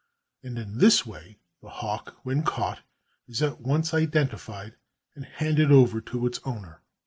And in this way the hawk, when caught, is at once identified and handed over to its owner.